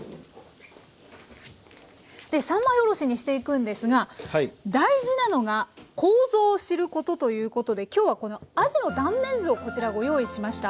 三枚おろしにしていくんですが大事なのが構造を知ることということで今日はこのあじの断面図をこちらご用意しました。